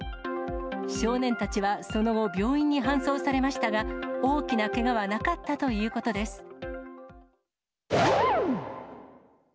少年たちはその後、病院に搬送されましたが、大きなけがはなかったということです。